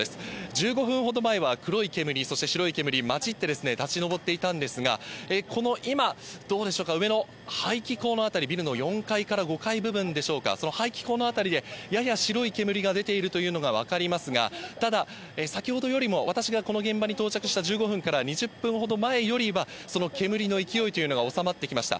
１５分ほど前は黒い煙、そして白い煙混じって立ち上っていたんですが、この今、どうでしょうか、上の排気口の辺り、ビルの４階から５階部分でしょうか、その排気口の辺りでやや白い煙が出ているというのが分かりますが、ただ、先ほどよりも私がこの現場に到着した１５分から２０分ほど前よりは、その煙の勢いというのは収まってきました。